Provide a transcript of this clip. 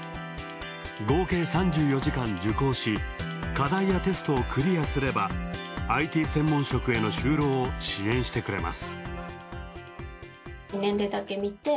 合計３４時間、受講し、課題やテストをクリアすれば、ＩＴ専門職への就労を支援してくれます。